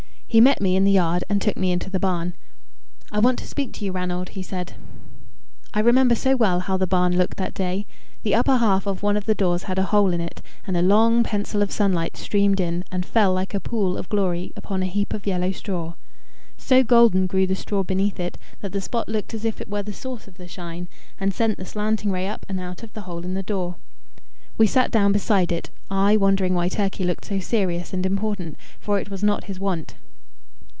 He met me in the yard, and took me into the barn. "I want to speak to you, Ranald," he said. I remember so well how the barn looked that day. The upper half of one of the doors had a hole in it, and a long pencil of sunlight streamed in, and fell like a pool of glory upon a heap of yellow straw. So golden grew the straw beneath it, that the spot looked as if it were the source of the shine, and sent the slanting ray up and out of the hole in the door. We sat down beside it, I wondering why Turkey looked so serious and important, for it was not his wont.